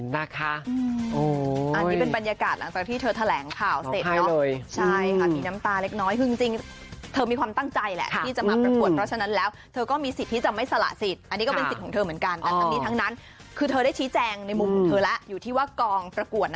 ล่าสุดพรุ่งนี้บ่ายโมงเจอกันที่รัฐดาทางกองประกวด